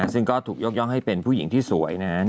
ซึ่งก็ถูกยกย่องให้เป็นผู้หญิงที่สวยนั้น